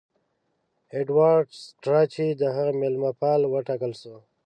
ایډوارډ سټراچي د هغه مېلمه پال وټاکل سو.